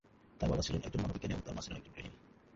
তার বাবা ছিলেন একজন মনোবিজ্ঞানী এবং তার মা ছিলেন একজন গৃহিনী।